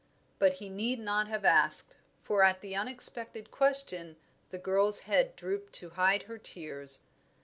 But he need not have asked, for at the unexpected question the girl's head drooped to hide her tears.